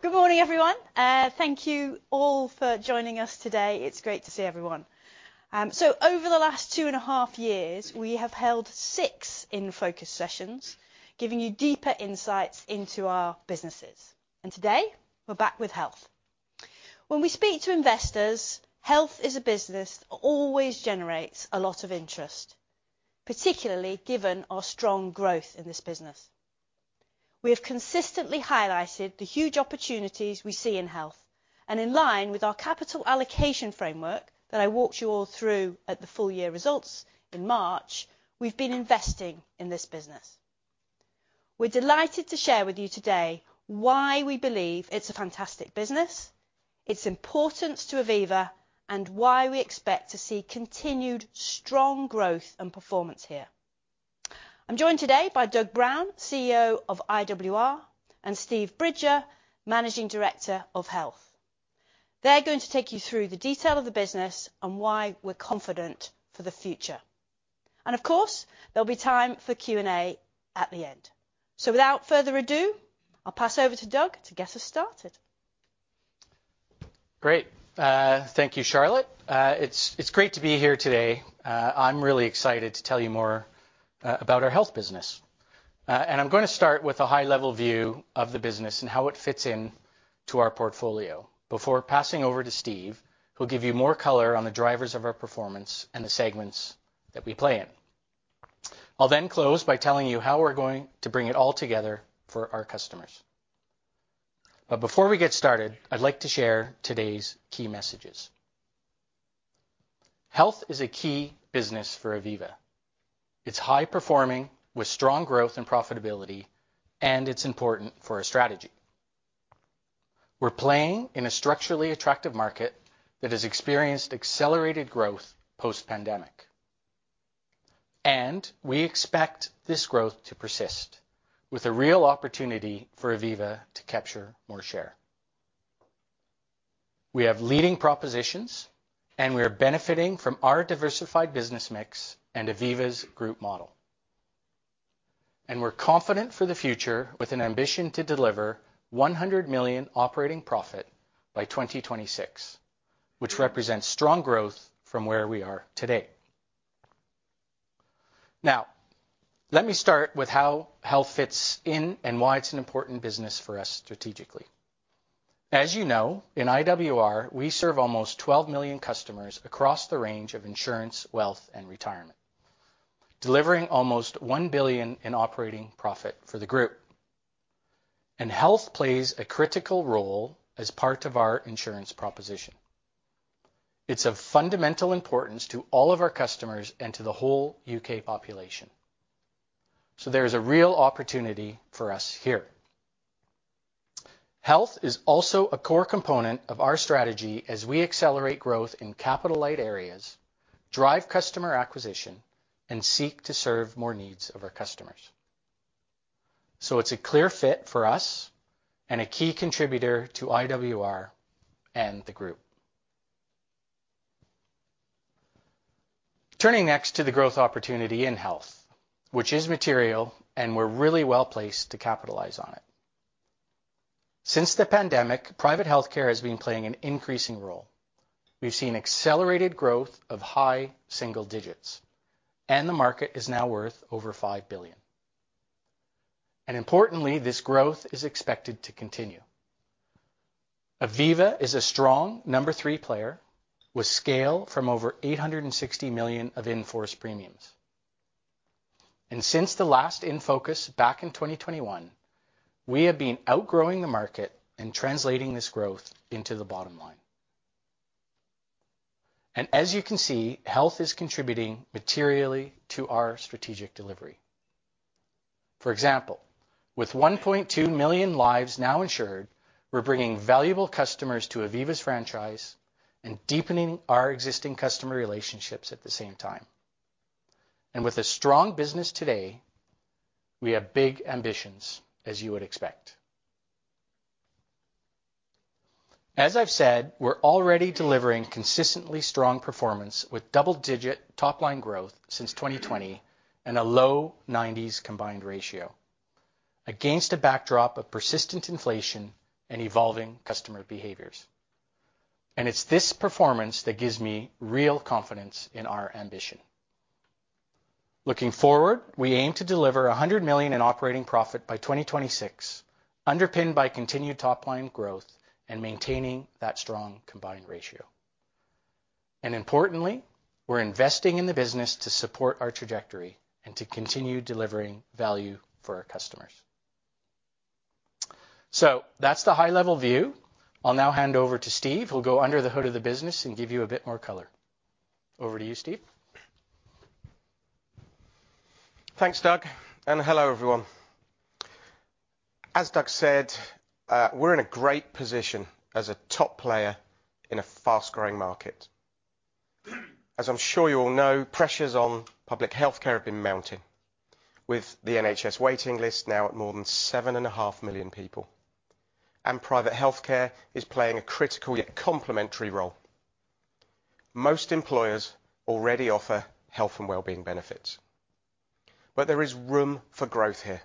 Good morning, everyone. Thank you all for joining us today. It's great to see everyone. So, over the last 2.5 years, we have held 6 in-focus sessions, giving you deeper insights into our businesses. Today, we're back with health. When we speak to investors, health as a business always generates a lot of interest, particularly given our strong growth in this business. We have consistently highlighted the huge opportunities we see in health, and in line with our capital allocation framework that I walked you all through at the full-year results in March, we've been investing in this business. We're delighted to share with you today why we believe it's a fantastic business, its importance to Aviva, and why we expect to see continued strong growth and performance here. I'm joined today by Doug Brown, CEO of IWR, and Steve Bridger, Managing Director of Health. They're going to take you through the detail of the business and why we're confident for the future. And of course, there'll be time for Q&A at the end. So, without further ado, I'll pass over to Doug to get us started. Great. Thank you, Charlotte. It's great to be here today. I'm really excited to tell you more about our health business. I'm going to start with a high-level view of the business and how it fits into our portfolio before passing over to Steve, who'll give you more color on the drivers of our performance and the segments that we play in. I'll then close by telling you how we're going to bring it all together for our customers. Before we get started, I'd like to share today's key messages. Health is a key business for Aviva. It's high-performing with strong growth and profitability, and it's important for our strategy. We're playing in a structurally attractive market that has experienced accelerated growth post-pandemic. We expect this growth to persist, with a real opportunity for Aviva to capture more share. We have leading propositions, and we are benefiting from our diversified business mix and Aviva's group model. We're confident for the future with an ambition to deliver 100 million operating profit by 2026, which represents strong growth from where we are today. Now, let me start with how health fits in and why it's an important business for us strategically. As you know, in IWR, we serve almost 12 million customers across the range of insurance, wealth, and retirement, delivering almost 1 billion in operating profit for the group. Health plays a critical role as part of our insurance proposition. It's of fundamental importance to all of our customers and to the whole U.K. population. There is a real opportunity for us here. Health is also a core component of our strategy as we accelerate growth in capital-light areas, drive customer acquisition, and seek to serve more needs of our customers. So, it's a clear fit for us and a key contributor to IWR and the group. Turning next to the growth opportunity in health, which is material, and we're really well placed to capitalize on it. Since the pandemic, private healthcare has been playing an increasing role. We've seen accelerated growth of high single digits, and the market is now worth over 5 billion. And importantly, this growth is expected to continue. Aviva is a strong number three player with scale from over 860 million of in-force premiums. And since the last in-focus back in 2021, we have been outgrowing the market and translating this growth into the bottom line. As you can see, health is contributing materially to our strategic delivery. For example, with 1.2 million lives now insured, we're bringing valuable customers to Aviva's franchise and deepening our existing customer relationships at the same time. With a strong business today, we have big ambitions, as you would expect. As I've said, we're already delivering consistently strong performance with double-digit top-line growth since 2020 and a low-90s combined ratio, against a backdrop of persistent inflation and evolving customer behaviors. It's this performance that gives me real confidence in our ambition. Looking forward, we aim to deliver 100 million in operating profit by 2026, underpinned by continued top-line growth and maintaining that strong combined ratio. Importantly, we're investing in the business to support our trajectory and to continue delivering value for our customers. So, that's the high-level view. I'll now hand over to Steve, who'll go under the hood of the business and give you a bit more color. Over to you, Steve. Thanks, Doug. Hello, everyone. As Doug said, we're in a great position as a top player in a fast-growing market. As I'm sure you all know, pressures on public healthcare have been mounting, with the NHS waiting list now at more than 7.5 million people. Private healthcare is playing a critical yet complementary role. Most employers already offer health and well-being benefits. But there is room for growth here,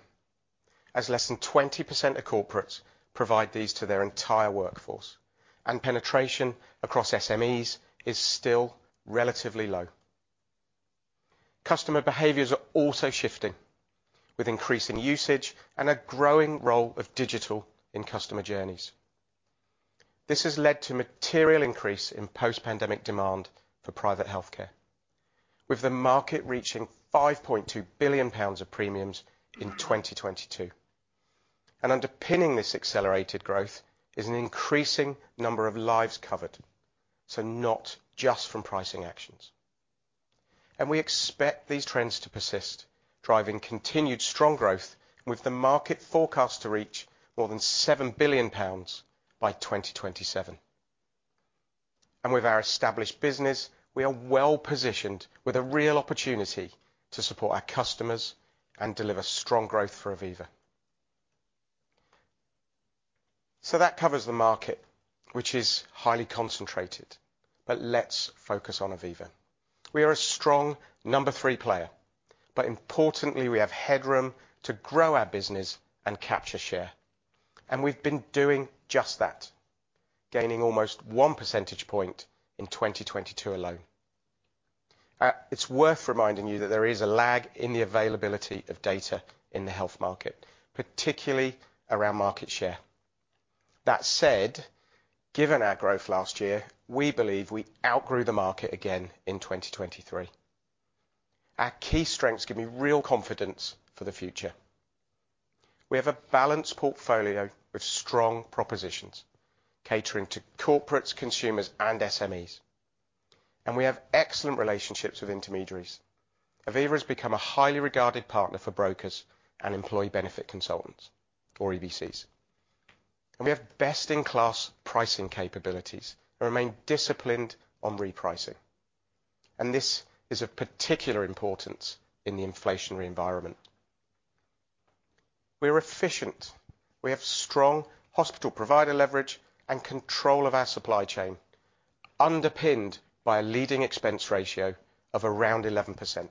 as less than 20% of corporates provide these to their entire workforce, and penetration across SMEs is still relatively low. Customer behaviors are also shifting, with increasing usage and a growing role of digital in customer journeys. This has led to material increase in post-pandemic demand for private healthcare, with the market reaching 5.2 billion pounds of premiums in 2022. Underpinning this accelerated growth is an increasing number of lives covered, so not just from pricing actions. We expect these trends to persist, driving continued strong growth, with the market forecast to reach more than 7 billion pounds by 2027. With our established business, we are well positioned with a real opportunity to support our customers and deliver strong growth for Aviva. That covers the market, which is highly concentrated. Let's focus on Aviva. We are a strong number three player. Importantly, we have headroom to grow our business and capture share. We've been doing just that, gaining almost one percentage point in 2022 alone. It's worth reminding you that there is a lag in the availability of data in the health market, particularly around market share. That said, given our growth last year, we believe we outgrew the market again in 2023. Our key strengths give me real confidence for the future. We have a balanced portfolio with strong propositions, catering to corporates, consumers, and SMEs. We have excellent relationships with intermediaries. Aviva has become a highly regarded partner for brokers and employee benefit consultants, or EBCs. We have best-in-class pricing capabilities and remain disciplined on repricing. This is of particular importance in the inflationary environment. We are efficient. We have strong hospital provider leverage and control of our supply chain, underpinned by a leading expense ratio of around 11%.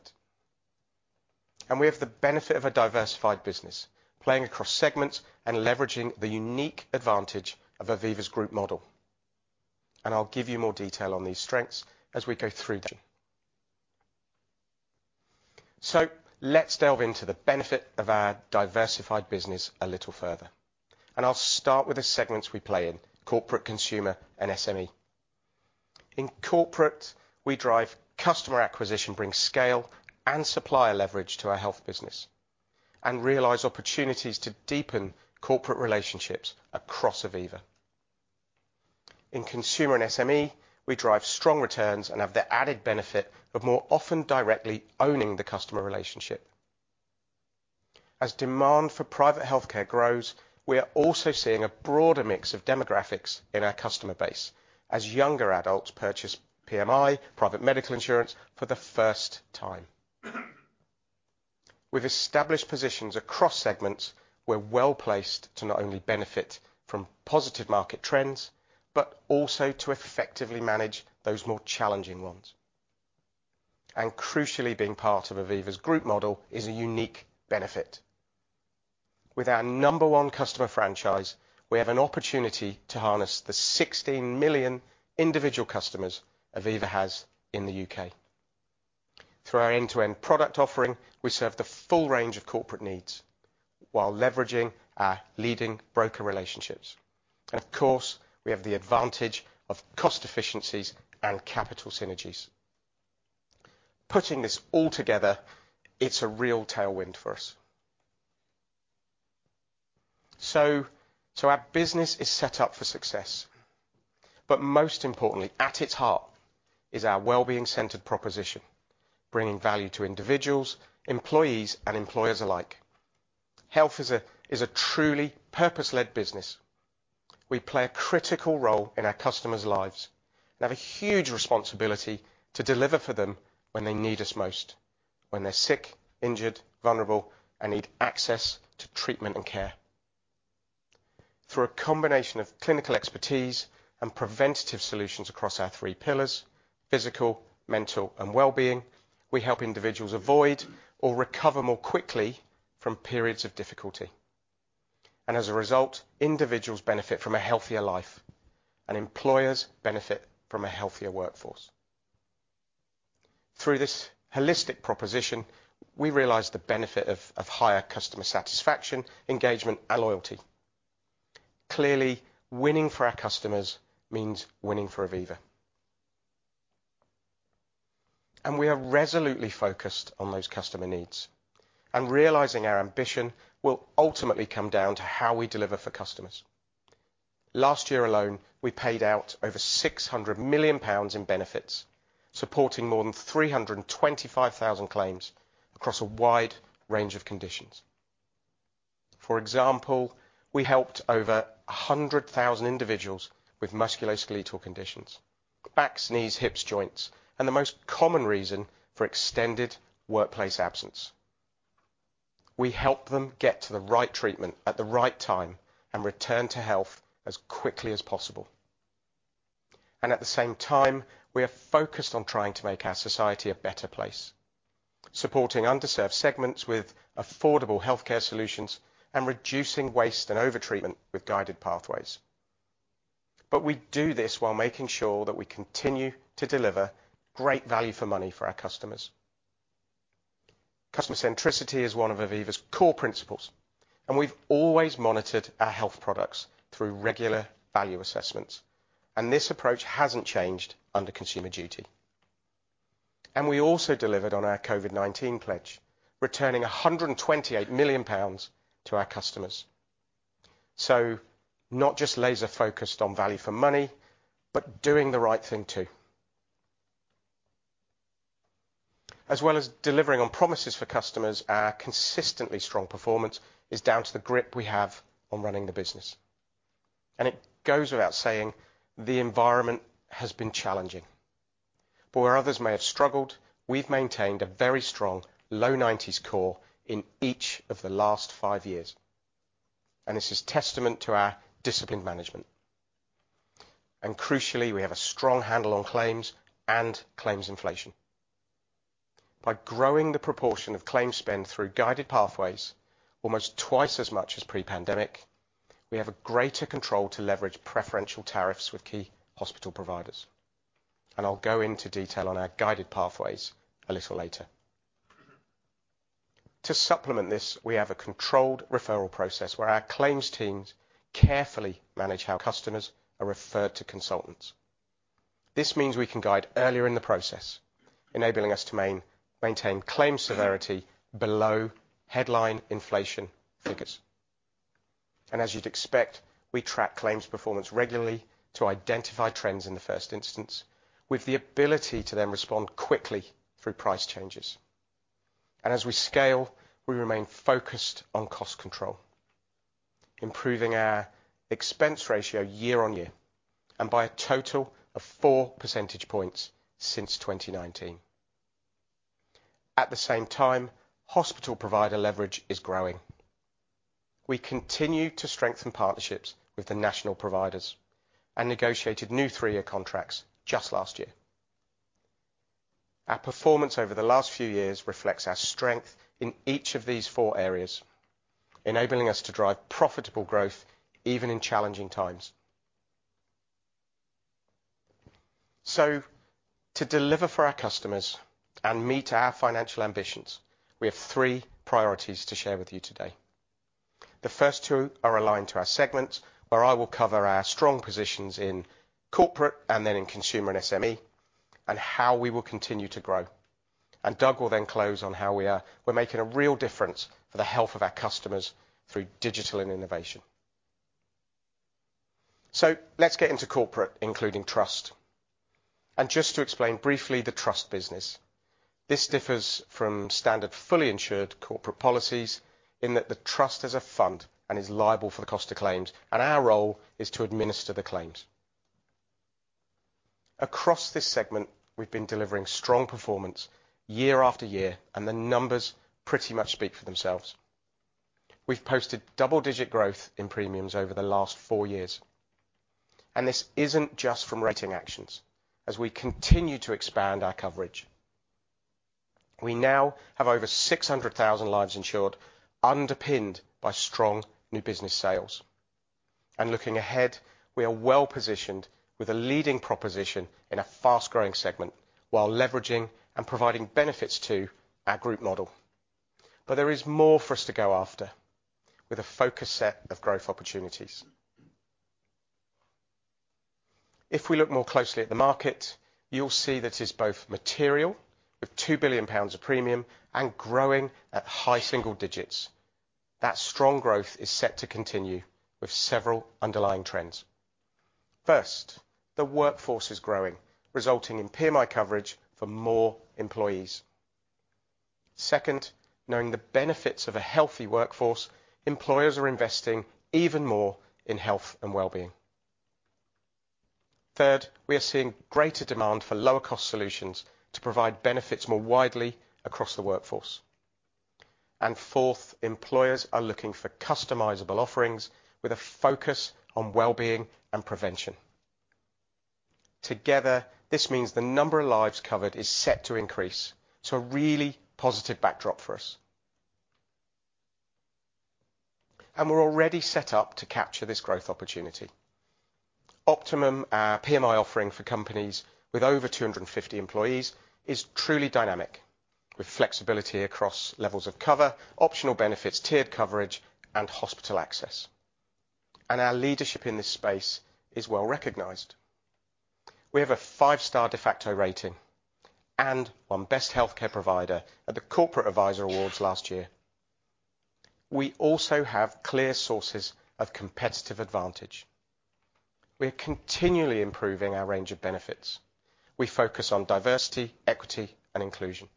We have the benefit of a diversified business, playing across segments and leveraging the unique advantage of Aviva's group model. I'll give you more detail on these strengths as we go through. Let's delve into the benefit of our diversified business a little further. I'll start with the segments we play in: corporate, consumer, and SME. In corporate, we drive customer acquisition, bring scale and supplier leverage to our health business, and realize opportunities to deepen corporate relationships across Aviva. In consumer and SME, we drive strong returns and have the added benefit of more often directly owning the customer relationship. As demand for private healthcare grows, we are also seeing a broader mix of demographics in our customer base, as younger adults purchase PMI, private medical insurance, for the first time. With established positions across segments, we're well placed to not only benefit from positive market trends, but also to effectively manage those more challenging ones. And crucially, being part of Aviva's group model is a unique benefit. With our number one customer franchise, we have an opportunity to harness the 16 million individual customers Aviva has in the U.K. Through our end-to-end product offering, we serve the full range of corporate needs while leveraging our leading broker relationships. And of course, we have the advantage of cost efficiencies and capital synergies. Putting this all together, it's a real tailwind for us. So, our business is set up for success. But most importantly, at its heart is our well-being-centered proposition, bringing value to individuals, employees, and employers alike. Health is a truly purpose-led business. We play a critical role in our customers' lives and have a huge responsibility to deliver for them when they need us most, when they're sick, injured, vulnerable, and need access to treatment and care. Through a combination of clinical expertise and preventative solutions across our three pillars: physical, mental, and well-being, we help individuals avoid or recover more quickly from periods of difficulty. As a result, individuals benefit from a healthier life, and employers benefit from a healthier workforce. Through this holistic proposition, we realize the benefit of higher customer satisfaction, engagement, and loyalty. Clearly, winning for our customers means winning for Aviva. We are resolutely focused on those customer needs. Realizing our ambition will ultimately come down to how we deliver for customers. Last year alone, we paid out over 600 million pounds in benefits, supporting more than 325,000 claims across a wide range of conditions. For example, we helped over 100,000 individuals with musculoskeletal conditions (back, knees, hips, joints) and the most common reason for extended workplace absence. We help them get to the right treatment at the right time and return to health as quickly as possible. At the same time, we are focused on trying to make our society a better place, supporting underserved segments with affordable healthcare solutions and reducing waste and overtreatment with Guided Pathways. We do this while making sure that we continue to deliver great value for money for our customers. Customer centricity is one of Aviva's core principles, and we've always monitored our health products through regular value assessments. This approach hasn't changed under Consumer Duty. We also delivered on our COVID-19 pledge, returning 128 million pounds to our customers. Not just laser-focused on value for money, but doing the right thing too. As well as delivering on promises for customers, our consistently strong performance is down to the grip we have on running the business. It goes without saying, the environment has been challenging. But where others may have struggled, we've maintained a very strong low 90s core in each of the last five years. And this is testament to our disciplined management. And crucially, we have a strong handle on claims and claims inflation. By growing the proportion of claims spend through guided pathways almost twice as much as pre-pandemic, we have a greater control to leverage preferential tariffs with key hospital providers. And I'll go into detail on our guided pathways a little later. To supplement this, we have a controlled referral process where our claims teams carefully manage how customers are referred to consultants. This means we can guide earlier in the process, enabling us to maintain claim severity below headline inflation figures. And as you'd expect, we track claims performance regularly to identify trends in the first instance, with the ability to then respond quickly through price changes. As we scale, we remain focused on cost control, improving our expense ratio year on year and by a total of four percentage points since 2019. At the same time, hospital provider leverage is growing. We continue to strengthen partnerships with the national providers and negotiated new three-year contracts just last year. Our performance over the last few years reflects our strength in each of these four areas, enabling us to drive profitable growth even in challenging times. To deliver for our customers and meet our financial ambitions, we have three priorities to share with you today. The first two are aligned to our segments, where I will cover our strong positions in corporate and then in consumer and SME, and how we will continue to grow. Doug will then close on how we're making a real difference for the health of our customers through digital and innovation. Let's get into corporate, including trust. Just to explain briefly the trust business, this differs from standard fully insured corporate policies in that the trust is a fund and is liable for the cost of claims, and our role is to administer the claims. Across this segment, we've been delivering strong performance year after year, and the numbers pretty much speak for themselves. We've posted double-digit growth in premiums over the last four years. This isn't just from rating actions, as we continue to expand our coverage. We now have over 600,000 lives insured, underpinned by strong new business sales. Looking ahead, we are well positioned with a leading proposition in a fast-growing segment while leveraging and providing benefits to our group model. But there is more for us to go after, with a focus set of growth opportunities. If we look more closely at the market, you'll see that it is both material, with 2 billion pounds of premium and growing at high single digits. That strong growth is set to continue with several underlying trends. First, the workforce is growing, resulting in PMI coverage for more employees. Second, knowing the benefits of a healthy workforce, employers are investing even more in health and well-being. Third, we are seeing greater demand for lower-cost solutions to provide benefits more widely across the workforce. And fourth, employers are looking for customizable offerings with a focus on well-being and prevention. Together, this means the number of lives covered is set to increase, so a really positive backdrop for us. And we're already set up to capture this growth opportunity. Optimum, our PMI offering for companies with over 250 employees, is truly dynamic, with flexibility across levels of cover, optional benefits, tiered coverage, and hospital access. Our leadership in this space is well recognized. We have a five-star Defaqto rating and won Best Healthcare Provider at the Corporate Advisor Awards last year. We also have clear sources of competitive advantage. We are continually improving our range of benefits. We focus on diversity, equity, and inclusion,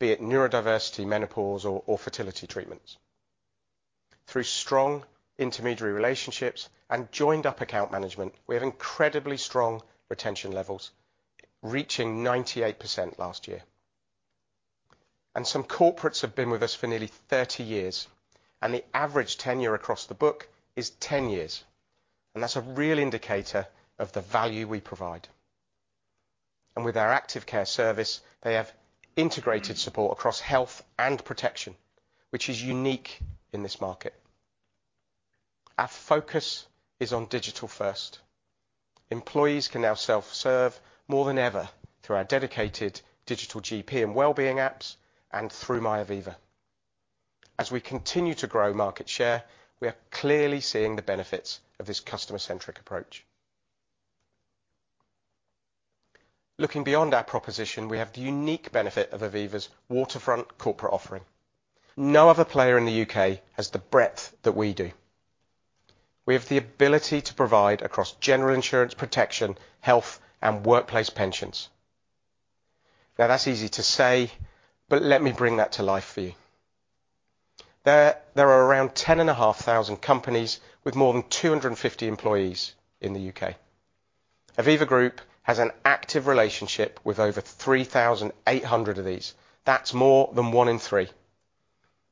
be it neurodiversity, menopause, or fertility treatments. Through strong intermediary relationships and joined-up account management, we have incredibly strong retention levels, reaching 98% last year. Some corporates have been with us for nearly 30 years, and the average tenure across the book is 10 years. That's a real indicator of the value we provide. With our Active Care service, they have integrated support across health and protection, which is unique in this market. Our focus is on digital first. Employees can now self-serve more than ever through our dedicated Digital GP and well-being apps and through myAviva. As we continue to grow market share, we are clearly seeing the benefits of this customer-centric approach. Looking beyond our proposition, we have the unique benefit of Aviva's waterfront corporate offering. No other player in the U.K. has the breadth that we do. We have the ability to provide across general insurance, protection, health, and workplace pensions. Now, that's easy to say, but let me bring that to life for you. There are around 10,500 companies with more than 250 employees in the U.K. Aviva Group has an active relationship with over 3,800 of these. That's more than one in three.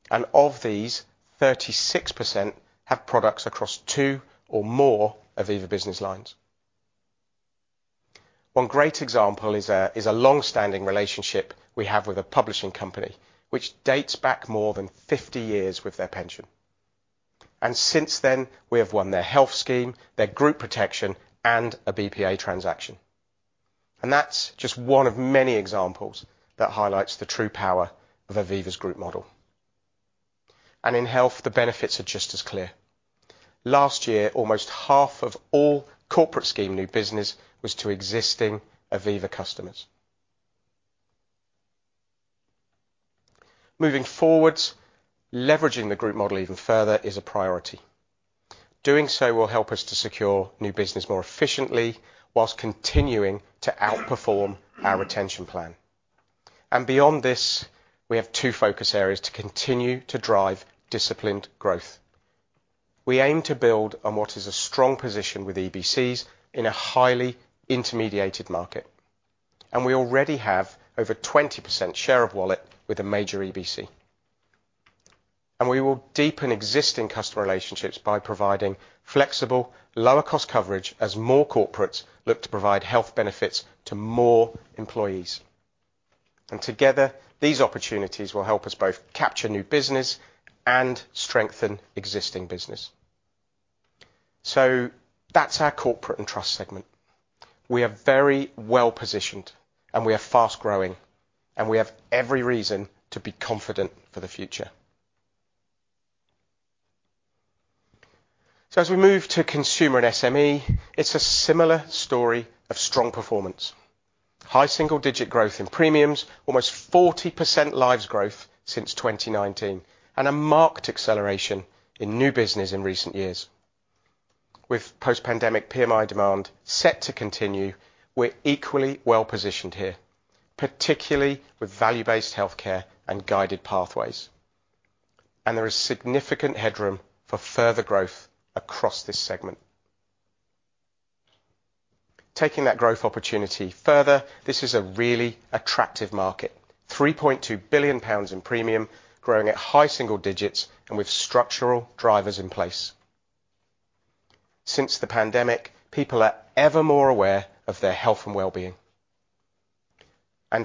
Of these, 36% have products across two or more Aviva business lines. One great example is a long-standing relationship we have with a publishing company, which dates back more than 50 years with their pension. Since then, we have won their health scheme, their group protection, and a BPA transaction. That's just one of many examples that highlights the true power of Aviva's group model. In health, the benefits are just as clear. Last year, almost half of all corporate scheme new business was to existing Aviva customers. Moving forward, leveraging the group model even further is a priority. Doing so will help us to secure new business more efficiently while continuing to outperform our retention plan. Beyond this, we have two focus areas to continue to drive disciplined growth. We aim to build on what is a strong position with EBCs in a highly intermediated market. We already have over 20% share of wallet with a major EBC. We will deepen existing customer relationships by providing flexible, lower-cost coverage as more corporates look to provide health benefits to more employees. Together, these opportunities will help us both capture new business and strengthen existing business. So that's our corporate and trust segment. We are very well positioned, and we are fast-growing, and we have every reason to be confident for the future. As we move to consumer and SME, it's a similar story of strong performance. High single-digit growth in premiums, almost 40% lives growth since 2019, and a marked acceleration in new business in recent years. With post-pandemic PMI demand set to continue, we're equally well positioned here, particularly with value-based healthcare and guided pathways. There is significant headroom for further growth across this segment. Taking that growth opportunity further, this is a really attractive market: 3.2 billion pounds in premium, growing at high single digits and with structural drivers in place. Since the pandemic, people are ever more aware of their health and well-being.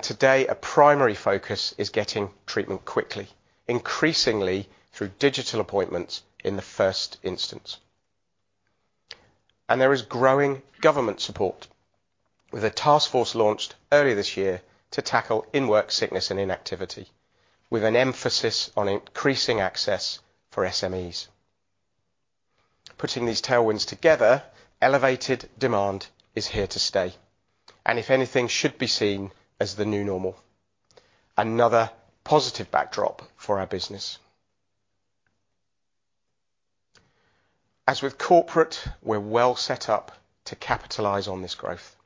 Today, a primary focus is getting treatment quickly, increasingly through digital appointments in the first instance. There is growing government support, with a task force launched earlier this year to tackle in-work sickness and inactivity, with an emphasis on increasing access for SMEs. Putting these tailwinds together, elevated demand is here to stay. And if anything, should be seen as the new normal. Another positive backdrop for our business. As with corporate, we're well set up to capitalize on this growth.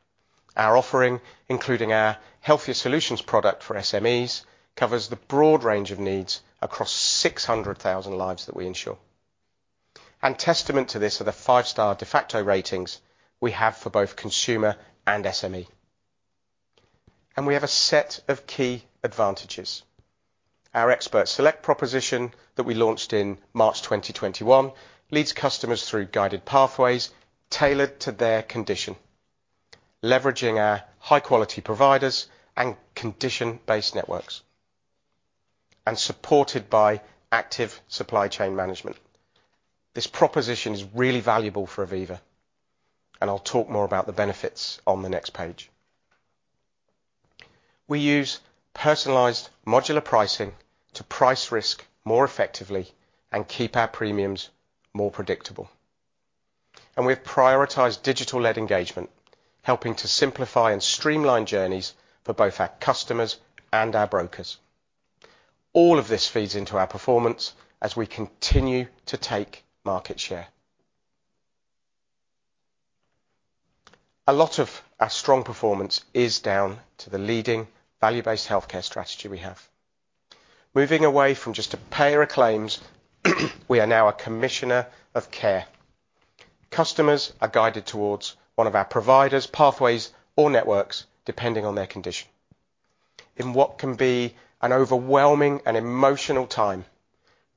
Our offering, including our Healthier Solutions product for SMEs, covers the broad range of needs across 600,000 lives that we insure. Testament to this are the five-star Defaqto ratings we have for both consumer and SME. We have a set of key advantages. Our Expert Select proposition that we launched in March 2021 leads customers through guided pathways tailored to their condition, leveraging our high-quality providers and condition-based networks, and supported by active supply chain management. This proposition is really valuable for Aviva. I'll talk more about the benefits on the next page. We use personalized modular pricing to price risk more effectively and keep our premiums more predictable. We have prioritized digital-led engagement, helping to simplify and streamline journeys for both our customers and our brokers. All of this feeds into our performance as we continue to take market share. A lot of our strong performance is down to the leading value-based healthcare strategy we have. Moving away from just a payer of claims, we are now a commissioner of care. Customers are guided towards one of our providers, pathways, or networks, depending on their condition. In what can be an overwhelming and emotional time,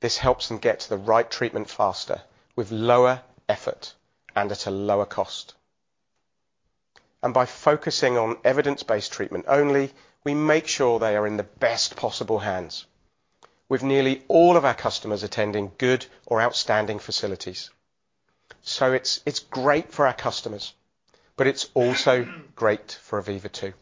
this helps them get to the right treatment faster, with lower effort and at a lower cost. By focusing on evidence-based treatment only, we make sure they are in the best possible hands, with nearly all of our customers attending good or outstanding facilities. It's great for our customers, but it's also great for Aviva too.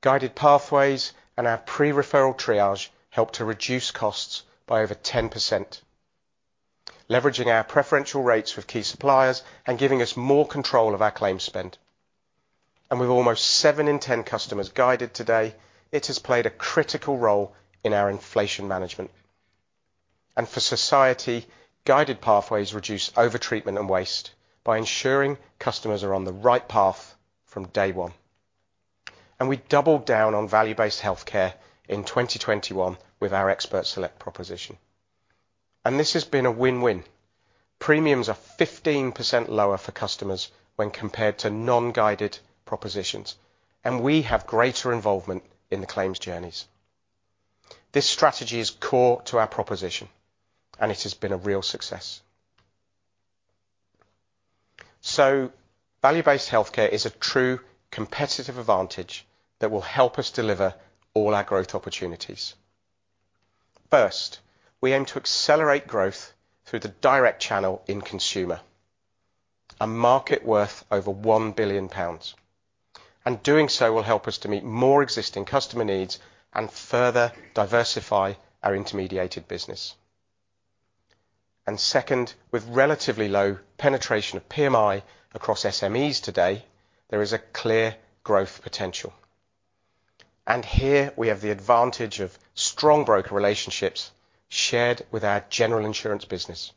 Guided pathways and our pre-referral triage help to reduce costs by over 10%, leveraging our preferential rates with key suppliers and giving us more control of our claim spend. With almost 7 in 10 customers guided today, it has played a critical role in our inflation management. For society, guided pathways reduce overtreatment and waste by ensuring customers are on the right path from day one. We doubled down on value-based healthcare in 2021 with our Expert Select proposition. This has been a win-win. Premiums are 15% lower for customers when compared to non-guided propositions, and we have greater involvement in the claims journeys. This strategy is core to our proposition, and it has been a real success. Value-based healthcare is a true competitive advantage that will help us deliver all our growth opportunities. First, we aim to accelerate growth through the direct channel in consumer, a market worth over 1 billion pounds. Doing so will help us to meet more existing customer needs and further diversify our intermediated business. And second, with relatively low penetration of PMI across SMEs today, there is a clear growth potential. And here, we have the advantage of strong broker relationships shared with our general insurance business.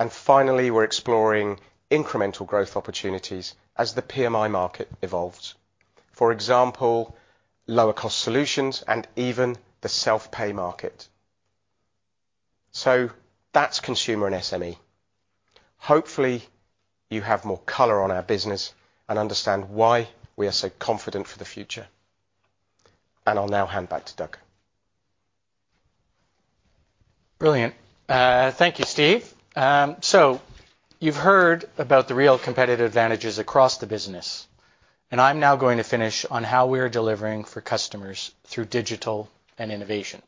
And finally, we're exploring incremental growth opportunities as the PMI market evolves. For example, lower-cost solutions and even the self-pay market. So that's consumer and SME. Hopefully, you have more color on our business and understand why we are so confident for the future. And I'll now hand back to Doug. Brilliant. Thank you, Steve. You've heard about the real competitive advantages across the business. I'm now going to finish on how we are delivering for customers through digital and innovation.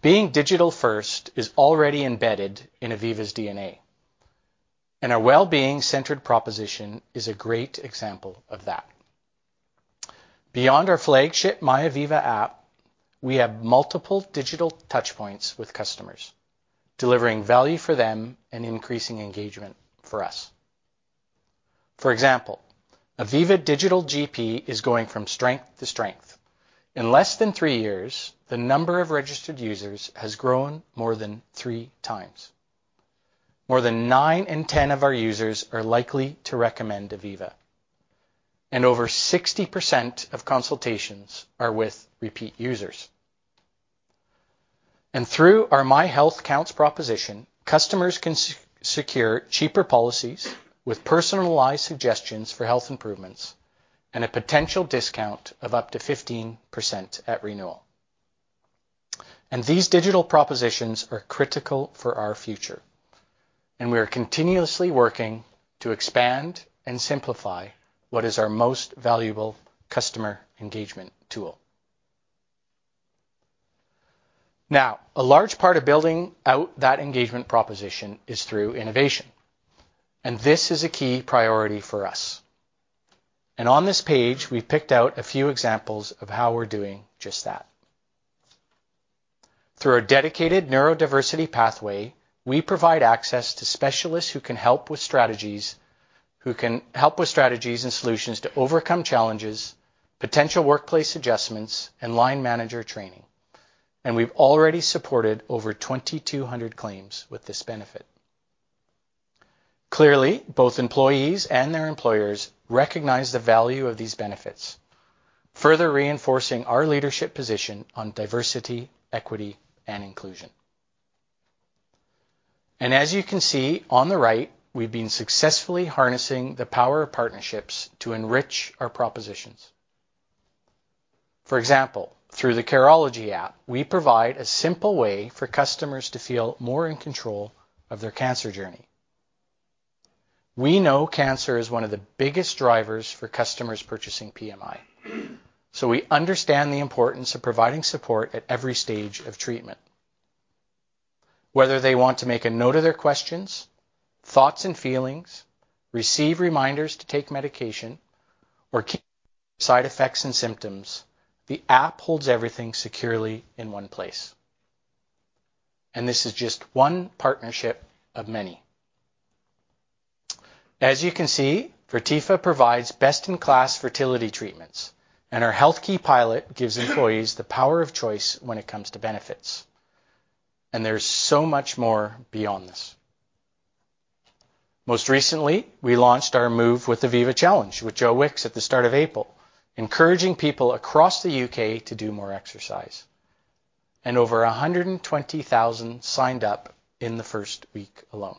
Being digital first is already embedded in Aviva's DNA. Our well-being-centered proposition is a great example of that. Beyond our flagship myAviva app, we have multiple digital touchpoints with customers, delivering value for them and increasing engagement for us. For example, Aviva Digital GP is going from strength to strength. In less than 3 years, the number of registered users has grown more than 3 times. More than 9 in 10 of our users are likely to recommend Aviva. Over 60% of consultations are with repeat users. Through our My Health Counts proposition, customers can secure cheaper policies with personalized suggestions for health improvements and a potential discount of up to 15% at renewal. These digital propositions are critical for our future. We are continuously working to expand and simplify what is our most valuable customer engagement tool. Now, a large part of building out that engagement proposition is through innovation. This is a key priority for us. On this page, we've picked out a few examples of how we're doing just that. Through our dedicated neurodiversity pathway, we provide access to specialists who can help with strategies, who can help with strategies and solutions to overcome challenges, potential workplace adjustments, and line manager training. We've already supported over 2,200 claims with this benefit. Clearly, both employees and their employers recognize the value of these benefits, further reinforcing our leadership position on diversity, equity, and inclusion. As you can see on the right, we've been successfully harnessing the power of partnerships to enrich our propositions. For example, through the Careology app, we provide a simple way for customers to feel more in control of their cancer journey. We know cancer is one of the biggest drivers for customers purchasing PMI. So we understand the importance of providing support at every stage of treatment. Whether they want to make a note of their questions, thoughts, and feelings, receive reminders to take medication, or keep side effects and symptoms, the app holds everything securely in one place. And this is just one partnership of many. As you can see, Fertifa provides best-in-class fertility treatments. And our HealthKey pilot gives employees the power of choice when it comes to benefits. And there's so much more beyond this. Most recently, we launched our Move with Aviva Challenge with Joe Wicks at the start of April, encouraging people across the U.K. to do more exercise. And over 120,000 signed up in the first week alone.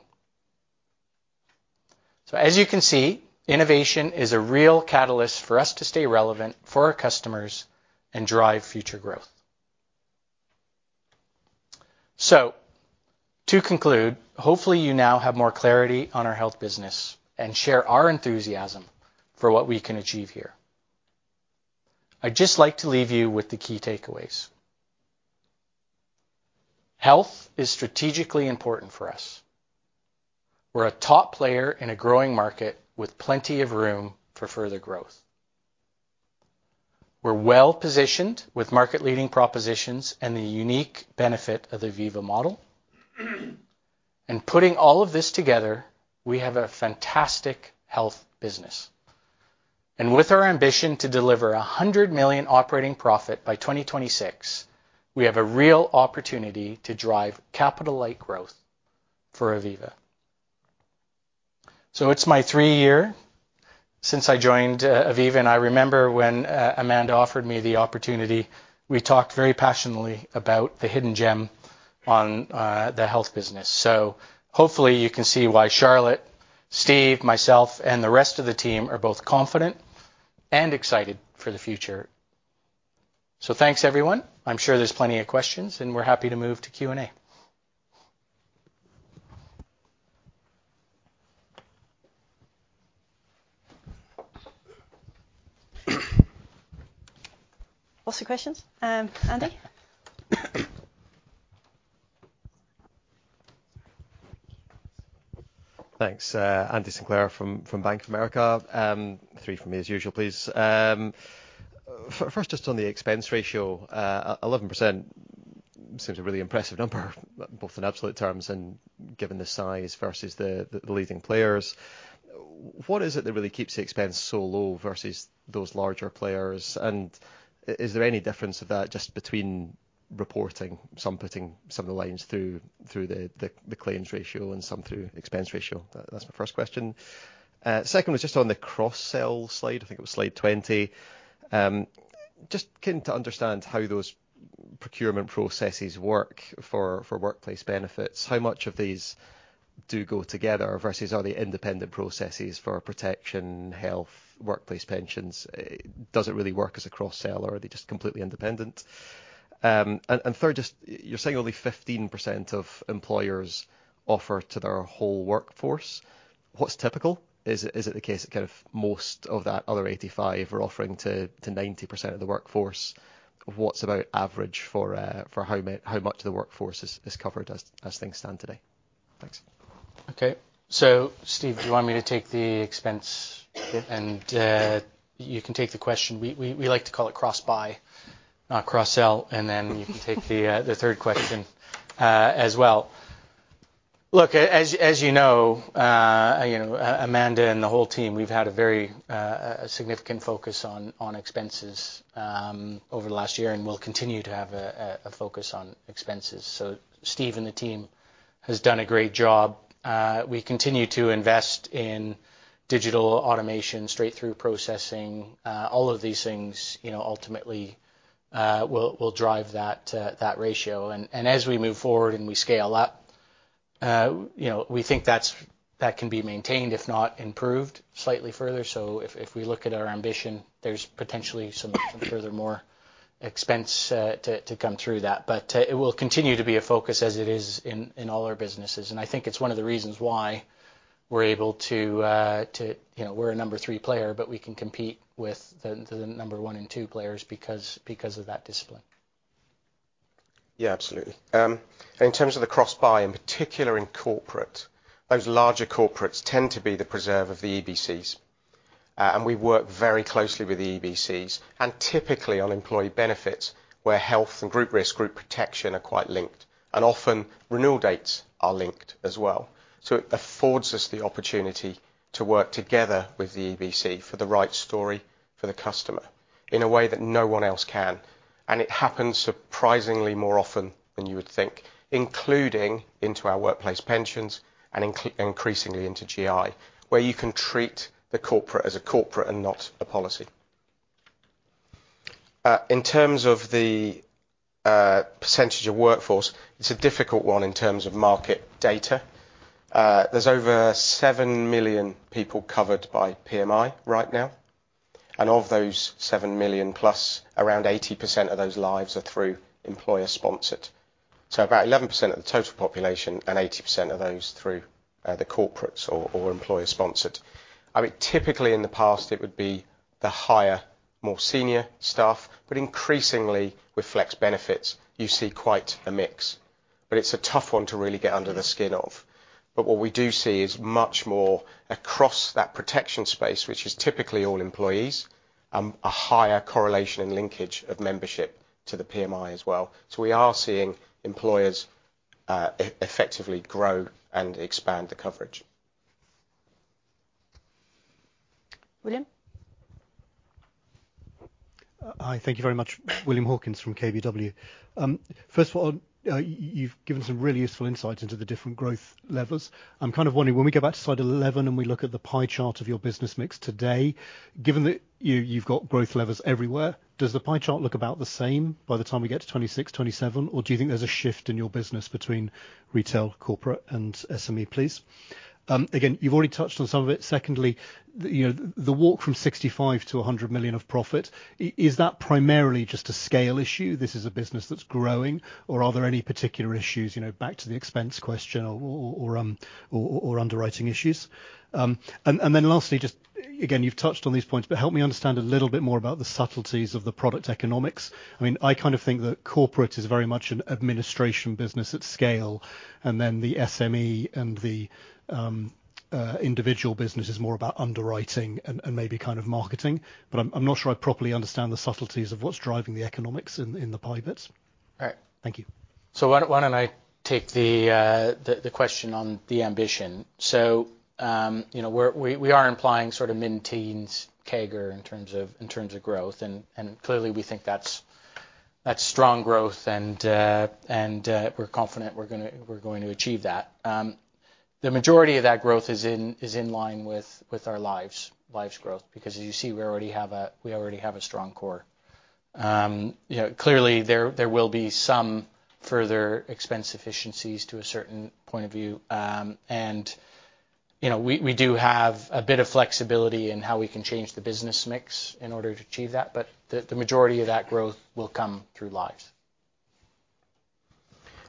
So as you can see, innovation is a real catalyst for us to stay relevant for our customers and drive future growth. So to conclude, hopefully, you now have more clarity on our health business and share our enthusiasm for what we can achieve here. I'd just like to leave you with the key takeaways. Health is strategically important for us. We're a top player in a growing market with plenty of room for further growth. We're well positioned with market-leading propositions and the unique benefit of the Aviva model. And putting all of this together, we have a fantastic health business. And with our ambition to deliver 100 million operating profit by 2026, we have a real opportunity to drive capital-like growth for Aviva. So it's my three years since I joined Aviva. I remember when Amanda offered me the opportunity, we talked very passionately about the hidden gem on the health business. Hopefully, you can see why Charlotte, Steve, myself, and the rest of the team are both confident and excited for the future. Thanks, everyone. I'm sure there's plenty of questions, and we're happy to move to Q&A. Lots of questions, Andrew? Thanks, Andrew Sinclair from Bank of America. Three from me, as usual, please. First, just on the expense ratio, 11% seems a really impressive number, both in absolute terms and given the size versus the leading players. What is it that really keeps the expense so low versus those larger players? And is there any difference of that just between reporting, some putting some of the lines through the claims ratio and some through expense ratio? That's my first question. Second was just on the cross-sell slide. I think it was slide 20. Just getting to understand how those procurement processes work for workplace benefits. How much of these do go together versus are they independent processes for protection, health, workplace pensions? Does it really work as a cross-sell, or are they just completely independent? And third, just you're saying only 15% of employers offer to their whole workforce. What's typical? Is it the case that kind of most of that other 85 are offering to 90% of the workforce? What's about average for how much of the workforce is covered as things stand today? Thanks. Okay. So Steve, do you want me to take the expense? And you can take the question. We like to call it cross-buy, not cross-sell. And then you can take the third question as well. Look, as you know, Amanda and the whole team, we've had a very significant focus on expenses over the last year and will continue to have a focus on expenses. So Steve and the team have done a great job. We continue to invest in digital automation, straight-through processing. All of these things ultimately will drive that ratio. And as we move forward and we scale up, we think that can be maintained, if not improved slightly further. So if we look at our ambition, there's potentially some further more expense to come through that. But it will continue to be a focus as it is in all our businesses. I think it's one of the reasons why we're a number 3 player, but we can compete with the number 1 and 2 players because of that discipline. Yeah, absolutely. In terms of the cross-buy, in particular in corporate, those larger corporates tend to be the preserve of the EBCs. We work very closely with the EBCs. Typically, on employee benefits, where health and group risk, group protection are quite linked. Often, renewal dates are linked as well. So it affords us the opportunity to work together with the EBC for the right story for the customer in a way that no one else can. It happens surprisingly more often than you would think, including into our workplace pensions and increasingly into GI, where you can treat the corporate as a corporate and not a policy. In terms of the percentage of workforce, it's a difficult one in terms of market data. There's over 7 million people covered by PMI right now. And of those 7 million plus, around 80% of those lives are through employer-sponsored. So about 11% of the total population and 80% of those through the corporates or employer-sponsored. I mean, typically, in the past, it would be the higher, more senior staff. But increasingly, with flex benefits, you see quite a mix. But it's a tough one to really get under the skin of. But what we do see is much more across that protection space, which is typically all employees, a higher correlation and linkage of membership to the PMI as well. So we are seeing employers effectively grow and expand the coverage. William? Hi, thank you very much. William Hawkins from KBW. First of all, you've given some really useful insights into the different growth levels. I'm kind of wondering, when we go back to slide 11 and we look at the pie chart of your business mix today, given that you've got growth levels everywhere, does the pie chart look about the same by the time we get to 2026, 2027? Or do you think there's a shift in your business between retail, corporate, and SME plays? Again, you've already touched on some of it. Secondly, the walk from 65 million-100 million of profit, is that primarily just a scale issue? This is a business that's growing. Or are there any particular issues back to the expense question or underwriting issues? And then lastly, just again, you've touched on these points, but help me understand a little bit more about the subtleties of the product economics. I mean, I kind of think that corporate is very much an administration business at scale. And then the SME and the individual business is more about underwriting and maybe kind of marketing. But I'm not sure I properly understand the subtleties of what's driving the economics in the pie bits. All right. Thank you. So why don't I take the question on the ambition? So we are implying sort of mid-teens CAGR in terms of growth. And clearly, we think that's strong growth. And we're confident we're going to achieve that. The majority of that growth is in line with our lives growth because, as you see, we already have a strong core. Clearly, there will be some further expense efficiencies to a certain extent. And we do have a bit of flexibility in how we can change the business mix in order to achieve that. But the majority of that growth will come through lives.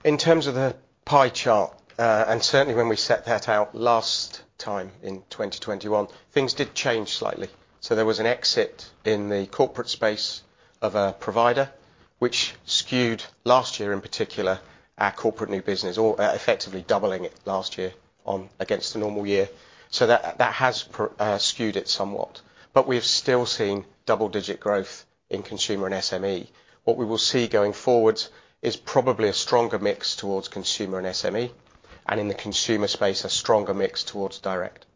In terms of the pie chart, and certainly when we set that out last time in 2021, things did change slightly. There was an exit in the corporate space of a provider, which skewed last year in particular our corporate new business, or effectively doubling it last year against the normal year. That has skewed it somewhat. We have still seen double-digit growth in consumer and SME. What we will see going forward is probably a stronger mix towards consumer and SME. In the consumer space, a stronger mix towards direct.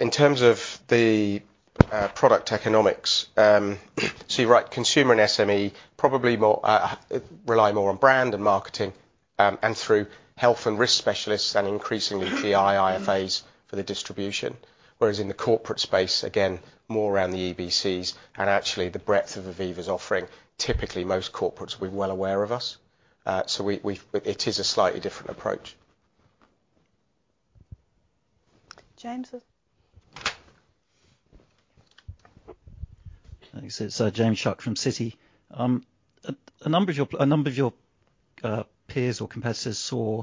In terms of the product economics, you're right, consumer and SME probably rely more on brand and marketing and through health and risk specialists and increasingly GI, IFAs for the distribution. Whereas in the corporate space, again, more around the EBCs and actually the breadth of Aviva's offering. Typically, most corporates will be well aware of us. So it is a slightly different approach. James. Thanks. So James Shuck from Citi. A number of your peers or competitors saw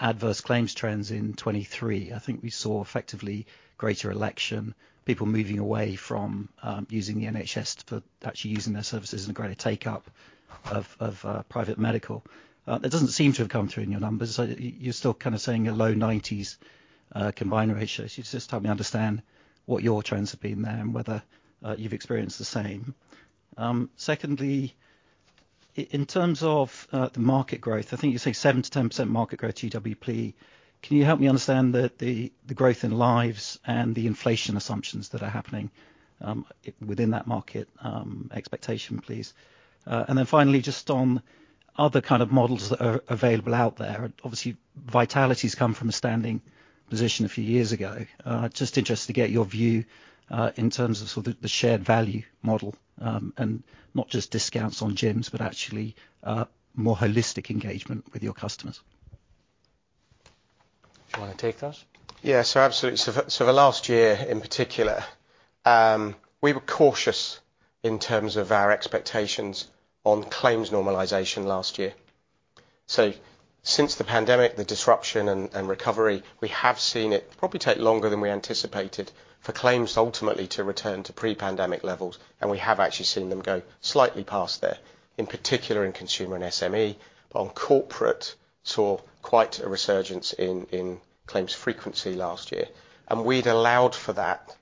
adverse claims trends in 2023. I think we saw effectively greater election, people moving away from using the NHS for actually using their services and a greater take-up of private medical. That doesn't seem to have come through in your numbers. You're still kind of saying a low 90s combined ratio. So you just help me understand what your trends have been there and whether you've experienced the same. Secondly, in terms of the market growth, I think you're saying 7%-10% market growth GWP. Can you help me understand the growth in lives and the inflation assumptions that are happening within that market expectation, please? And then finally, just on other kind of models that are available out there. Obviously, Vitality's come from a standing position a few years ago. Just interested to get your view in terms of sort of the shared value model and not just discounts on gyms, but actually more holistic engagement with your customers. Do you want to take that? Yeah. So absolutely. So for last year in particular, we were cautious in terms of our expectations on claims normalization last year. So since the pandemic, the disruption and recovery, we have seen it probably take longer than we anticipated for claims ultimately to return to pre-pandemic levels. And we have actually seen them go slightly past there, in particular in consumer and SME. But on corporate, saw quite a resurgence in claims frequency last year. And we'd allowed for that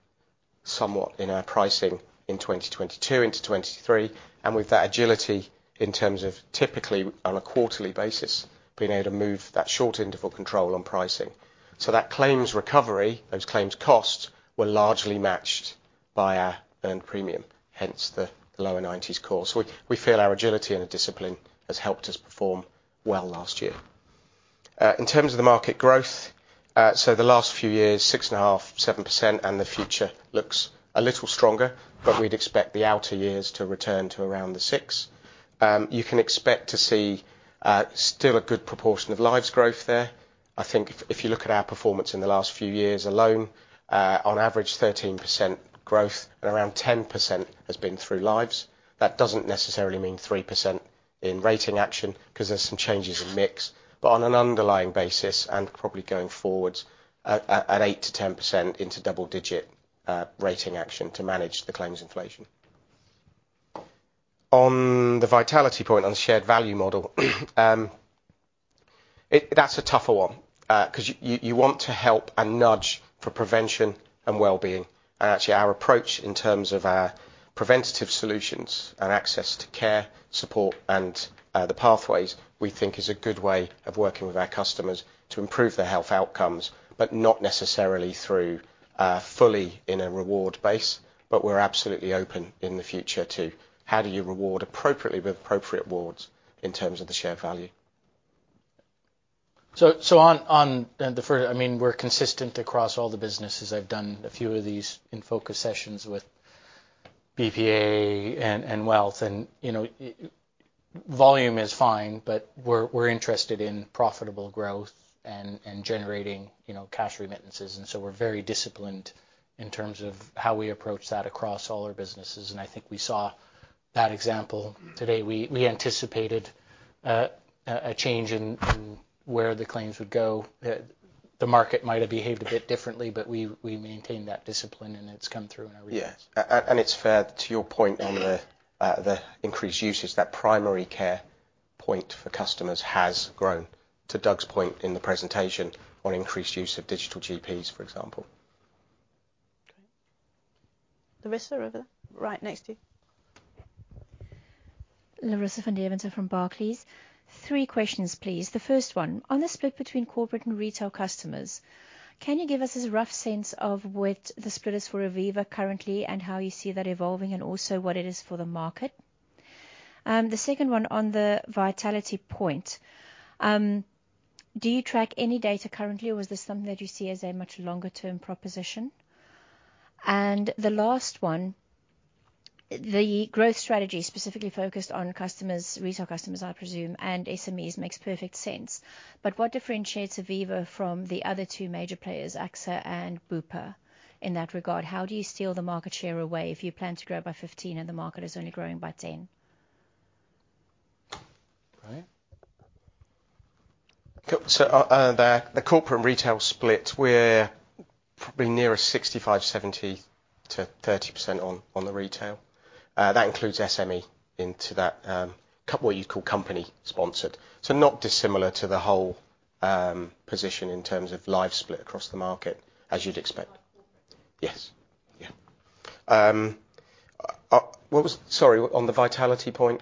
somewhat in our pricing in 2022 into 2023. And with that agility in terms of typically on a quarterly basis, being able to move that short interval control on pricing. So that claims recovery, those claims costs were largely matched by our earned premium, hence the lower 90s core. So we feel our agility and discipline has helped us perform well last year. In terms of the market growth, so the last few years, 6.5%- 7%. The future looks a little stronger. We'd expect the outer years to return to around the 6%. You can expect to see still a good proportion of lives' growth there. I think if you look at our performance in the last few years alone, on average, 13% growth and around 10% has been through lives. That doesn't necessarily mean 3% in rating action because there's some changes in mix. On an underlying basis and probably going forwards at 8%-10% into double-digit rating action to manage the claims inflation. On the Vitality point, on the shared value model, that's a tougher one because you want to help and nudge for prevention and well-being. Actually, our approach in terms of our preventative solutions and access to care, support, and the pathways, we think is a good way of working with our customers to improve their health outcomes, but not necessarily through fully in a reward base. But we're absolutely open in the future to how do you reward appropriately with appropriate rewards in terms of the shared value. So on the first, I mean, we're consistent across all the businesses. I've done a few of these in focus sessions with BPA and wealth. And volume is fine. But we're interested in profitable growth and generating cash remittances. And so we're very disciplined in terms of how we approach that across all our businesses. And I think we saw that example today. We anticipated a change in where the claims would go. The market might have behaved a bit differently, but we maintain that discipline. And it's come through in our recent. Yeah. It's fair to your point on the increased uses. That primary care point for customers has grown to Doug's point in the presentation on increased use of digital GPs, for example. Okay. Larissa over there, right next to you. Larissa van Deventer from Barclays. Three questions, please. The first one, on the split between corporate and retail customers, can you give us a rough sense of what the split is for Aviva currently and how you see that evolving and also what it is for the market? The second one on the Vitality point, do you track any data currently? Or is this something that you see as a much longer-term proposition? And the last one, the growth strategy specifically focused on customers, retail customers, I presume, and SMEs makes perfect sense. But what differentiates Aviva from the other two major players, AXA and Bupa in that regard? How do you steal the market share away if you plan to grow by 15 and the market is only growing by 10? Right. So the corporate and retail split, we're probably near a 65%-70% to 30% on the retail. That includes SME into that, what you'd call company-sponsored. So not dissimilar to the whole position in terms of live split across the market, as you'd expect. Yes. Yeah. Sorry, on the Vitality point.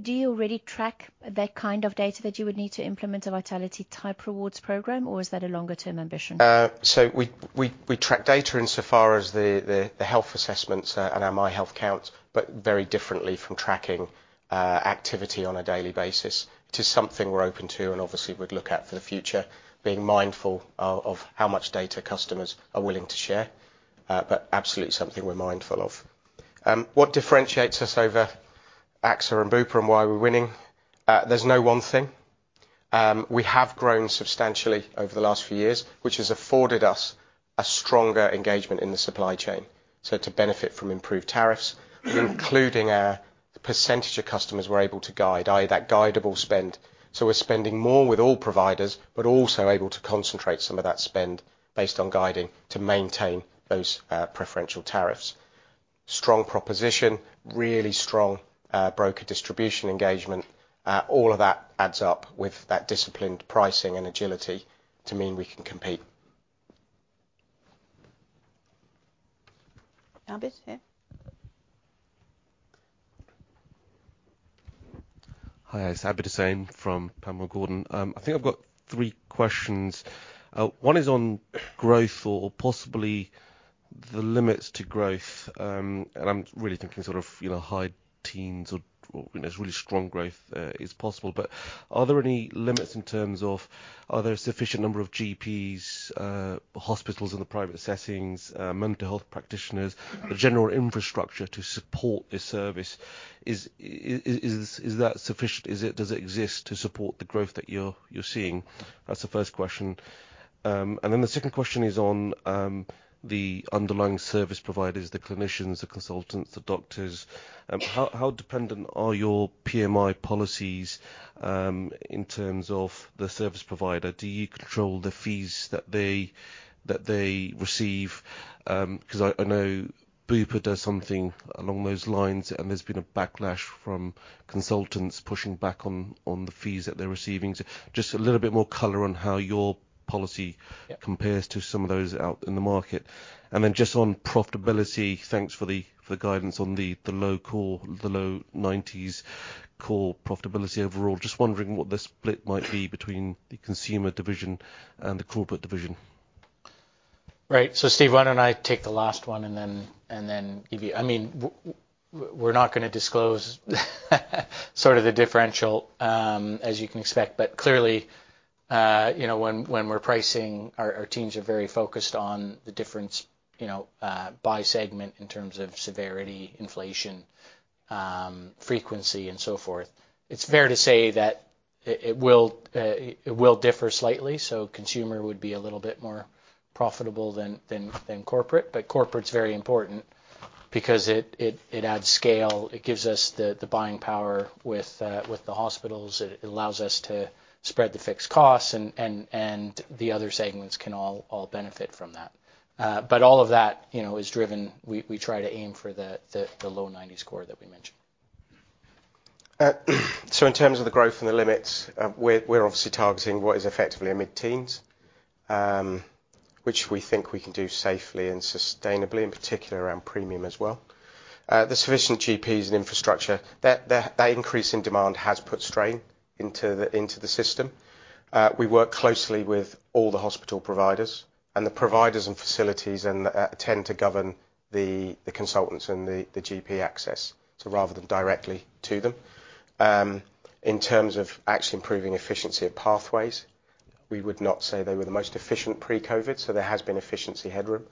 Do you already track that kind of data that you would need to implement a Vitality-type rewards program? Or is that a longer-term ambition? So we track data insofar as the health assessments and our My Health Counts, but very differently from tracking activity on a daily basis. It is something we're open to and obviously would look at for the future, being mindful of how much data customers are willing to share. But absolutely something we're mindful of. What differentiates us over AXA and Bupa and why we're winning? There's no one thing. We have grown substantially over the last few years, which has afforded us a stronger engagement in the supply chain. So to benefit from improved tariffs, including our percentage of customers we're able to guide, i.e., that guidable spend. So we're spending more with all providers, but also able to concentrate some of that spend based on guiding to maintain those preferential tariffs. Strong proposition, really strong broker distribution engagement. All of that adds up with that disciplined pricing and agility to mean we can compete. Abid? Yeah. Hi. It's Abid Hussain from Panmure Gordon. I think I've got three questions. One is on growth or possibly the limits to growth. And I'm really thinking sort of high teens or really strong growth is possible. But are there any limits in terms of are there a sufficient number of GPs, hospitals in the private settings, mental health practitioners, the general infrastructure to support this service? Is that sufficient? Does it exist to support the growth that you're seeing? That's the first question. And then the second question is on the underlying service providers, the clinicians, the consultants, the doctors. How dependent are your PMI policies in terms of the service provider? Do you control the fees that they receive? Because I know Bupa does something along those lines. And there's been a backlash from consultants pushing back on the fees that they're receiving. Just a little bit more color on how your policy compares to some of those out in the market. Then just on profitability, thanks for the guidance on the low 90s core profitability overall. Just wondering what the split might be between the consumer division and the corporate division. Right. So Steve Bridger and I take the last one and then give you. I mean, we're not going to disclose sort of the differential as you can expect. But clearly, when we're pricing, our teams are very focused on the difference by segment in terms of severity, inflation, frequency, and so forth. It's fair to say that it will differ slightly. So consumer would be a little bit more profitable than corporate. But corporate's very important because it adds scale. It gives us the buying power with the hospitals. It allows us to spread the fixed costs. And the other segments can all benefit from that. But all of that is driven. We try to aim for the low 90s core that we mentioned. So in terms of the growth and the limits, we're obviously targeting what is effectively a mid-teens, which we think we can do safely and sustainably, in particular around premium as well. The sufficient GPs and infrastructure, that increase in demand has put strain into the system. We work closely with all the hospital providers. The providers and facilities tend to govern the consultants and the GP access. So rather than directly to them. In terms of actually improving efficiency of pathways, we would not say they were the most efficient pre-COVID. So there has been efficiency headroom.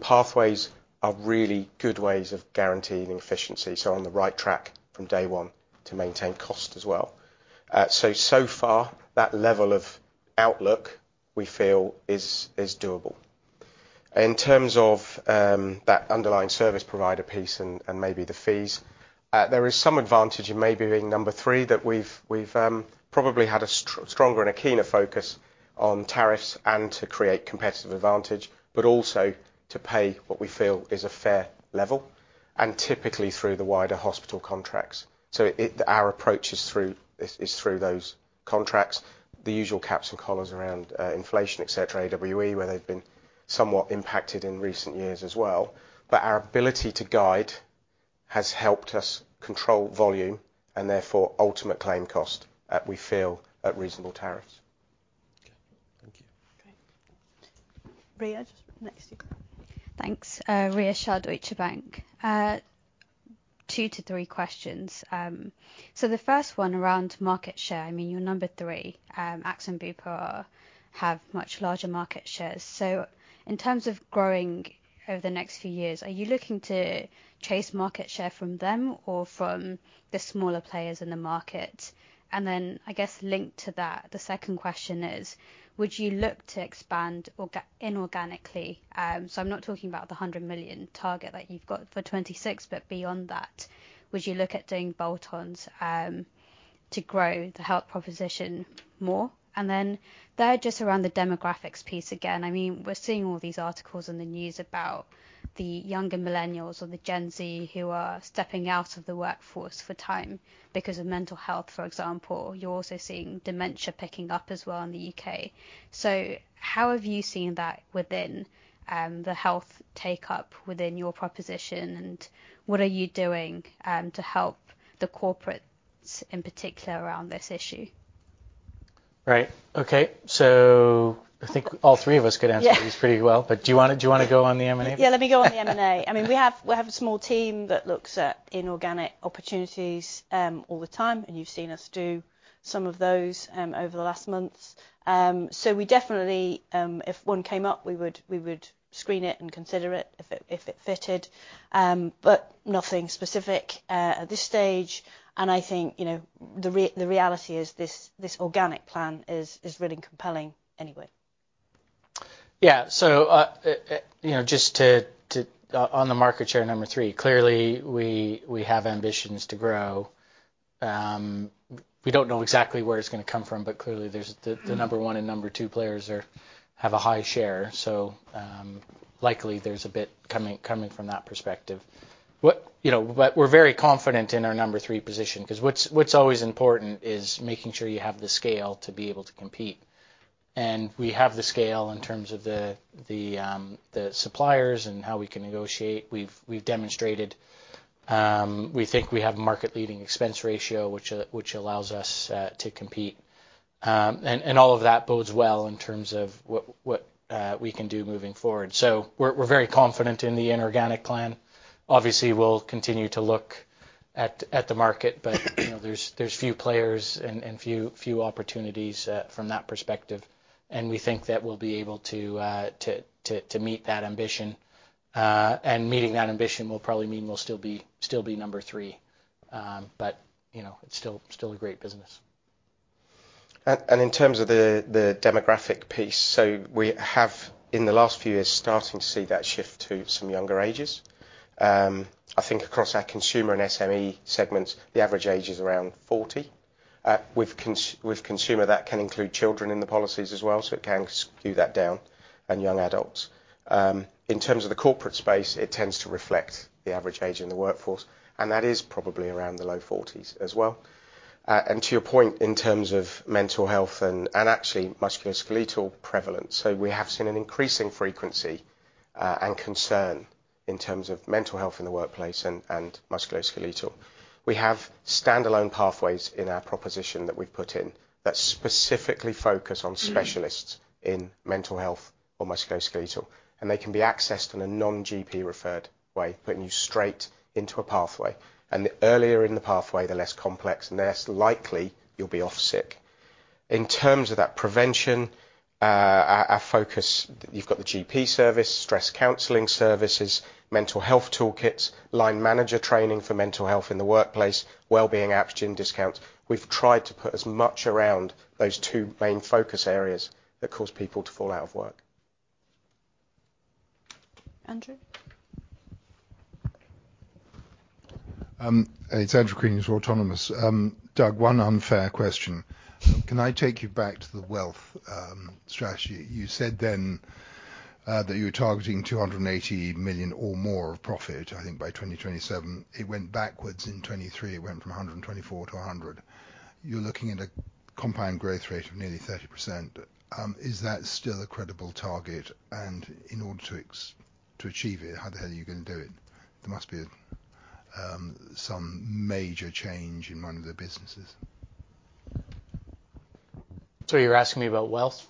Pathways are really good ways of guaranteeing efficiency. So on the right track from day one to maintain cost as well. So far, that level of outlook we feel is doable. In terms of that underlying service provider piece and maybe the fees, there is some advantage in maybe being number three that we've probably had a stronger and a keener focus on tariffs and to create competitive advantage, but also to pay what we feel is a fair level. And typically through the wider hospital contracts. So our approach is through those contracts. The usual caps and collars around inflation, etc., AWE, where they've been somewhat impacted in recent years as well. But our ability to guide has helped us control volume and therefore ultimate claim cost, we feel, at reasonable tariffs. Okay. Thank you. Great. Rhea, just next to you. Thanks. Rhea Shah, Deutsche Bank. 2 to 3 questions. So the first one around market share. I mean, you're number three. AXA and Bupa have much larger market shares. So in terms of growing over the next few years, are you looking to chase market share from them or from the smaller players in the market? And then I guess linked to that, the second question is, would you look to expand inorganically? So I'm not talking about the 100 million target that you've got for 2026, but beyond that, would you look at doing bolt-ons to grow the health proposition more? And then just around the demographics piece again. I mean, we're seeing all these articles in the news about the younger millennials or the Gen Z who are stepping out of the workforce for time because of mental health, for example. You're also seeing dementia picking up as well in the U.K. So how have you seen that within the health take-up within your proposition? And what are you doing to help the corporates in particular around this issue? Right. Okay. So I think all three of us could answer these pretty well. But do you want to go on the M&A? Yeah. Let me go on the M&A. I mean, we have a small team that looks at inorganic opportunities all the time. You've seen us do some of those over the last months. We definitely, if one came up, we would screen it and consider it if it fitted. Nothing specific at this stage. I think the reality is this organic plan is really compelling anyway. Yeah. So just on the market share, number 3, clearly we have ambitions to grow. We don't know exactly where it's going to come from. But clearly, the number 1 and number 2 players have a high share. So likely there's a bit coming from that perspective. But we're very confident in our number 3 position because what's always important is making sure you have the scale to be able to compete. And we have the scale in terms of the suppliers and how we can negotiate. We've demonstrated we think we have a market-leading expense ratio, which allows us to compete. And all of that bodes well in terms of what we can do moving forward. So we're very confident in the inorganic plan. Obviously, we'll continue to look at the market. But there's few players and few opportunities from that perspective. We think that we'll be able to meet that ambition. Meeting that ambition will probably mean we'll still be number three. It's still a great business. And in terms of the demographic piece, so we have, in the last few years, starting to see that shift to some younger ages. I think across our consumer and SME segments, the average age is around 40. With consumer, that can include children in the policies as well. So it can skew that down. And young adults. In terms of the corporate space, it tends to reflect the average age in the workforce. And that is probably around the low 40s as well. And to your point in terms of mental health and actually musculoskeletal prevalence, so we have seen an increasing frequency and concern in terms of mental health in the workplace and musculoskeletal. We have standalone pathways in our proposition that we've put in that specifically focus on specialists in mental health or musculoskeletal. They can be accessed in a non-GP-referred way, putting you straight into a pathway. The earlier in the pathway, the less complex. Less likely you'll be off sick. In terms of that prevention, our focus: you've got the GP service, stress counseling services, mental health toolkits, line manager training for mental health in the workplace, well-being apps during discounts. We've tried to put as much around those two main focus areas that cause people to fall out of work. Andrew? It's Andrew Crean for Autonomous Research. Doug, one unfair question. Can I take you back to the wealth strategy? You said then that you were targeting 280 million or more of profit, I think, by 2027. It went backwards in 2023. It went from 124 million to 100 million. You're looking at a compound growth rate of nearly 30%. Is that still a credible target? And in order to achieve it, how the hell are you going to do it? There must be some major change in one of the businesses. So, you're asking me about wealth?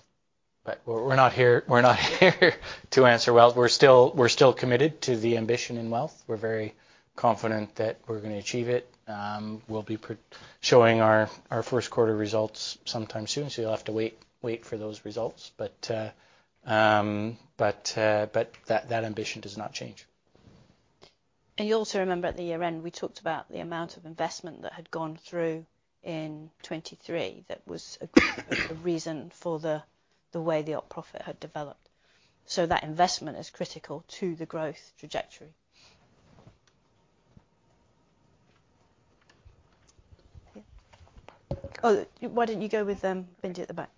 We're not here to answer wealth. We're still committed to the ambition in wealth. We're very confident that we're going to achieve it. We'll be showing our first quarter results sometime soon. So you'll have to wait for those results. But that ambition does not change. You also remember at the year-end, we talked about the amount of investment that had gone through in 2023 that was a reason for the way the profit had developed. That investment is critical to the growth trajectory. Oh, why don't you go with Farooq Hanif at the back?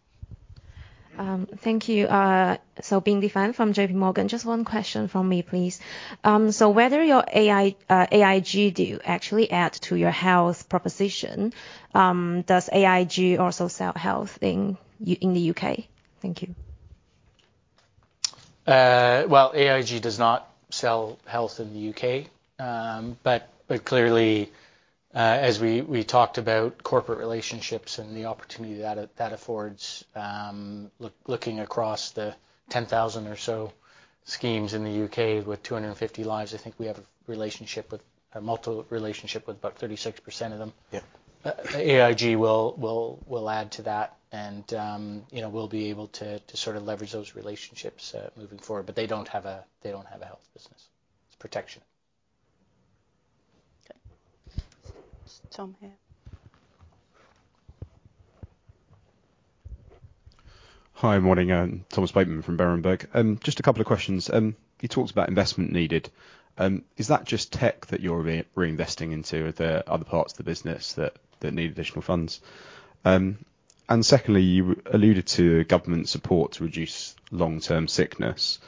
Thank you. So Farooq Hanif from J.P. Morgan, just one question from me, please. So whether your AIG do actually add to your health proposition, does AIG also sell health in the U.K.? Thank you. Well, AIG does not sell health in the U.K. But clearly, as we talked about corporate relationships and the opportunity that affords, looking across the 10,000 or so schemes in the U.K. with 250 lives, I think we have a multiple relationship with about 36% of them. AIG will add to that. And we'll be able to sort of leverage those relationships moving forward. But they don't have a health business. It's protection. Okay. Tom here. Hi. Morning. Thomas Bateman from Berenberg. Just a couple of questions. You talked about investment needed. Is that just tech that you're reinvesting into? Are there other parts of the business that need additional funds? And secondly, you alluded to government support to reduce long-term sickness.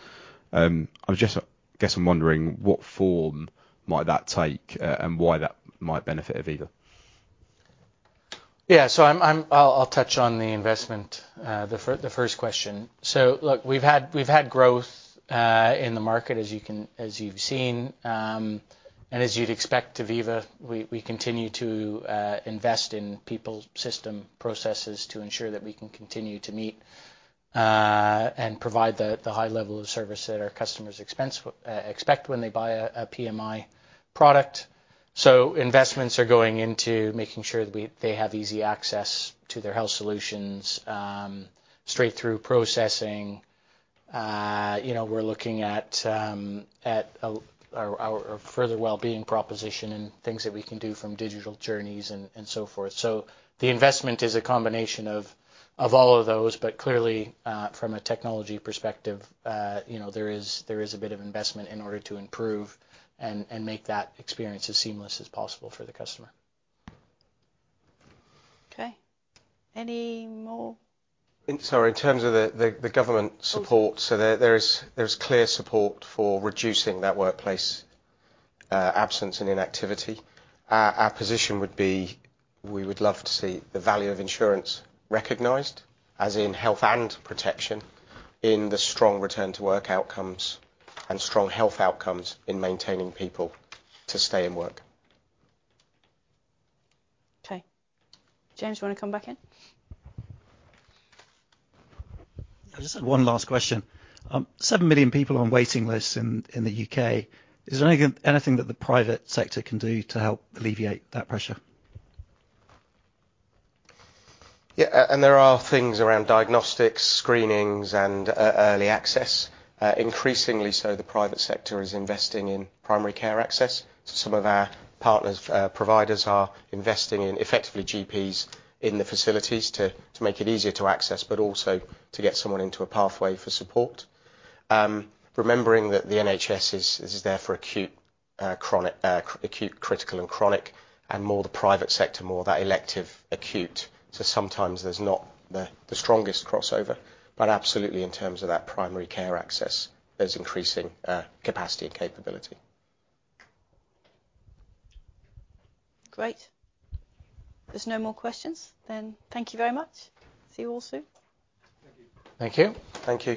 I guess I'm wondering what form might that take and why that might benefit Aviva? Yeah. So I'll touch on the investment, the first question. So look, we've had growth in the market, as you've seen. And as you'd expect to Aviva, we continue to invest in people's system processes to ensure that we can continue to meet and provide the high level of service that our customers expect when they buy a PMI product. So investments are going into making sure that they have easy access to their health solutions, straight-through processing. We're looking at our further well-being proposition and things that we can do from digital journeys and so forth. So the investment is a combination of all of those. But clearly, from a technology perspective, there is a bit of investment in order to improve and make that experience as seamless as possible for the customer. Okay. Any more? Sorry. In terms of the government support, so there's clear support for reducing that workplace absence and inactivity. Our position would be we would love to see the value of insurance recognized, as in health and protection, in the strong return-to-work outcomes and strong health outcomes in maintaining people to stay in work. Okay. James, do you want to come back in? I just had one last question. 7 million people on waiting lists in the U.K. Is there anything that the private sector can do to help alleviate that pressure? Yeah. There are things around diagnostics, screenings, and early access. Increasingly so, the private sector is investing in primary care access. Some of our partners, providers are investing in effectively GPs in the facilities to make it easier to access, but also to get someone into a pathway for support. Remembering that the NHS is there for acute critical and chronic. More the private sector, more that elective acute. Sometimes there's not the strongest crossover. Absolutely, in terms of that primary care access, there's increasing capacity and capability. Great. There's no more questions. Thank you very much. See you all soon. Thank you. Thank you.